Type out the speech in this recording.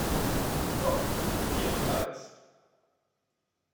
Ho, kion mi faris?